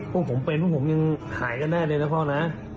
พวกผมเป็นพวกผมยังหายกันแน่เลยนะพ่อนะ